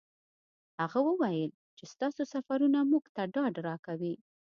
هغه وویل چې ستاسو سفرونه موږ ته ډاډ راکوي.